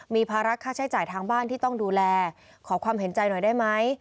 มีภาระค่าใช้จ่ายทางบ้านที่ต้องดูแลขอความเห็นใจหน่อยได้ไหม